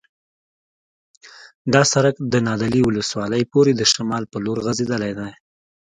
دا سرک د نادعلي ولسوالۍ پورې د شمال په لور غځېدلی دی